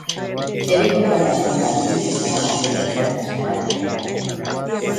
Se dijo que ambas compañías estaban haciendo ofertas para la compañía.